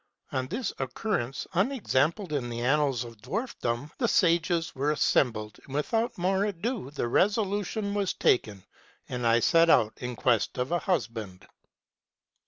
On this occurrence, unexampled in the annals of dwarf dom, the sages were assembled ; and, without more ado, the resolution was taken, and I sent out in quest of a husband.'